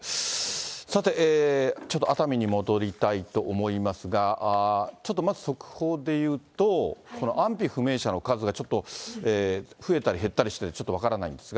さて、ちょっと熱海に戻りたいと思いますが、ちょっとまず速報でいうと、この安否不明者の数がちょっと、増えたり減ったりしてて、ちょっと分からないんですが。